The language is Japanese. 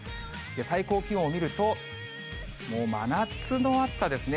最高気温を見ると、もう真夏の暑さですね。